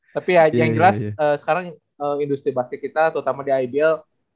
tapi ya yang jelas sekarang industri basket kita terutama di ibl